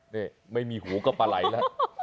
นี่ไม่มีหูก็ปลายล่ะ